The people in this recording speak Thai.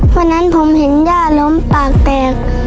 วันนั้นผมเห็นย่าล้มปากแตก